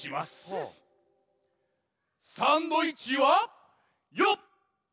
サンドイッチはよっ！